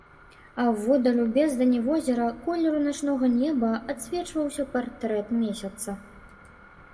А воддаль у бездані возера, колеру начнога неба, адсвечваўся партрэт месяца.